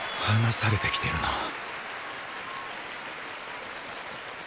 離されてきてるな